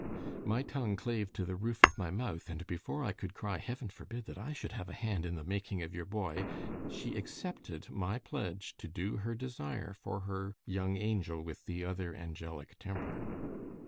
My tongue clave to the roof of my mouth, and before I could cry, 'Heaven forbid that I should have a hand in the making of your boy!' she accepted my pledge to do her desire for her young angel with the OTHER angelic temper.